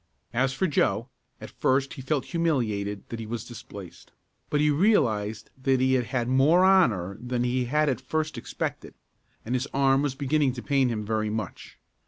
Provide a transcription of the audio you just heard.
As for Joe, at first he felt humiliated that he was displaced but he realized that he had had more honor that he had at first expected, and his arm was beginning to pain him very much.